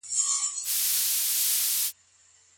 د متضرر کورنۍ بايد قاتل ته عفو وکړي.